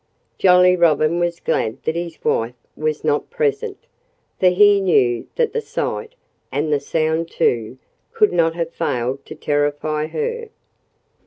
Jolly Robin was glad that his wife was not present, for he knew that the sight, and the sound too, could not have failed to terrify her.